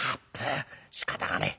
しかたがねえ。